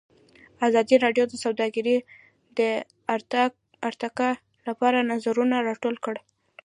ازادي راډیو د سوداګري د ارتقا لپاره نظرونه راټول کړي.